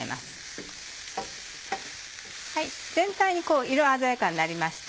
全体にこう色鮮やかになりました。